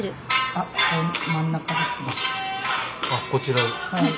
あっこちらへえ。